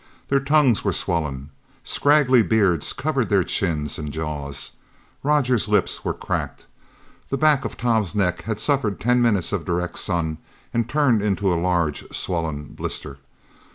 Their tongues were swollen. Scraggly beards covered their chins and jaws. Roger's lips were cracked. The back of Tom's neck had suffered ten minutes of direct sun and turned into a large swollen blister.